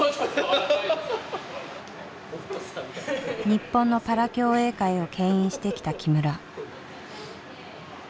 日本のパラ競泳界をけん引してきた木村。